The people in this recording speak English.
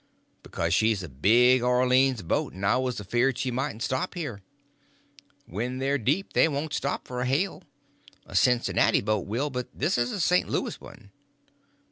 "Because she's a big Orleans boat, and I was afeard she mightn't stop there. When they're deep they won't stop for a hail. A Cincinnati boat will, but this is a St. Louis one."